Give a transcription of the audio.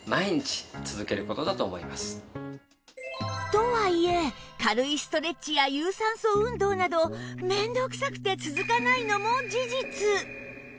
とはいえ軽いストレッチや有酸素運動など面倒くさくて続かないのも事実